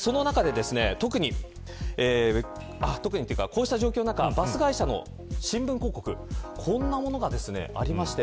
こうした状況の中バス会社の新聞広告こんなものがありまして。